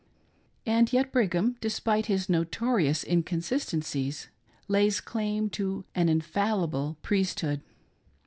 And yet Brigham, despite his notorious inconsistencies, lays claim to an " Infalli ble Priesthood